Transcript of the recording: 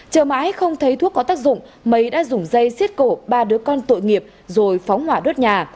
chờ mãi không thấy thuốc có tác dụng mấy đã dùng dây xiết cổ ba đứa con tội nghiệp rồi phóng hỏa đốt nhà